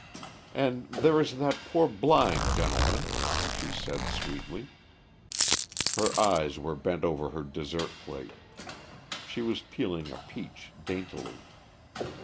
"And there is that poor blind gentleman," she said sweetly. Her eyes were bent over her dessert plate. She was peeling a peach daintily.